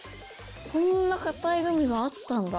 こんな硬いグミがあったんだ。